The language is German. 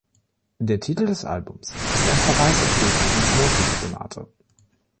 Der Titel des Albums ist ein Verweis auf Beethovens „Mondlichtsonate“.